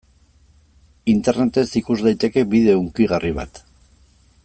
Internetez ikus daiteke bideo hunkigarri bat.